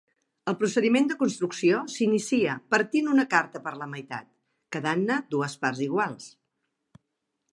El procediment de construcció s'inicia partint una carta per la meitat, quedant-ne dues parts iguals.